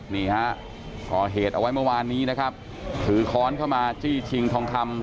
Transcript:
นี่ฮะก่อเหตุเอาไว้เมื่อวานนี้นะครับถือค้อนเข้ามาจี้ชิงทองคำ